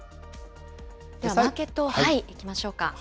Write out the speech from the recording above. ではマーケットいきましょうか。